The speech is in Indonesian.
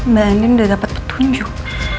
mbak anin udah dapet petunjuk